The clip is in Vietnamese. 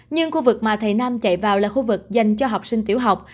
nhưng khu vực mà thầy nam chạy vào là khu vực dành cho học sinh tiểu học